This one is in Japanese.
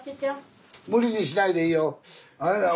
無理にしないでいいよ。